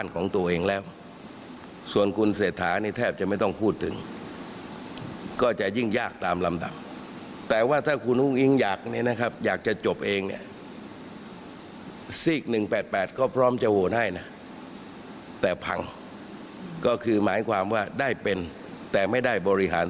ขอแทงเลยค่ะคุณจัตรุพรมาให้แทงไหมคะ